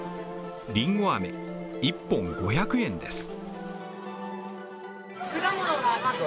りんご飴、１本５００円です。